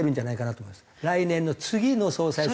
来年の次の総裁選。